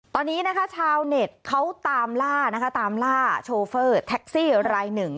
ตอนนี้นะคะชาวเน็ตเขาตามล่านะคะตามล่าโชเฟอร์แท็กซี่รายหนึ่ง